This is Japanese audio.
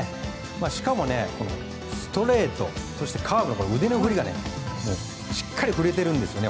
しかも、ストレートそしてカーブでの腕の振りがしっかり振れているんですよね。